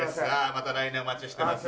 また来年お待ちしてます。